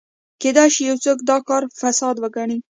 کېدای شي یو څوک دا کار فساد وګڼي.